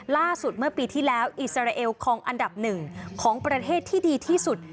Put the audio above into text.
ล่าสุดเมื่อปีที่แล้วอิสราเอลคลองอันดับหนึ่งของประเทศที่ดีที่สุด